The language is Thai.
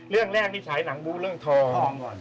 เรื่องแรกนี่ฉายหนังบูเรื่องทองก่อน